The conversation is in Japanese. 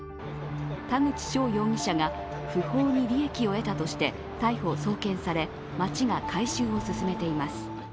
田口翔容疑者が不法に利益を得たとして逮捕・送検され町が回収を進めています。